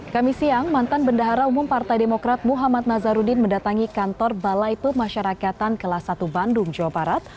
kami siang mantan bendahara umum partai demokrat muhammad nazarudin mendatangi kantor balai pemasyarakatan kelas satu bandung jawa barat